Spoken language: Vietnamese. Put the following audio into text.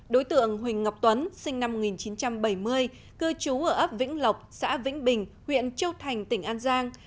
đối tượng huỳnh ngọc tuấn sinh năm một nghìn chín trăm bảy mươi cư trú ở ấp vĩnh lộc xã vĩnh bình huyện châu thành tỉnh an giang